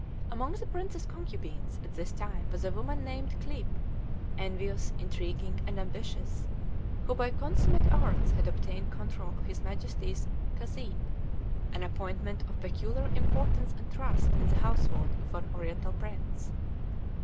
Among the prince's concubines at this time was a woman named Kliep, envious, intriguing, and ambitious, who by consummate arts had obtained control of his Majesty's cuisine, an appointment of peculiar importance and trust in the household of an Oriental prince.